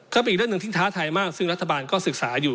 อีกเรื่องหนึ่งที่ท้าทายมากซึ่งรัฐบาลก็ศึกษาอยู่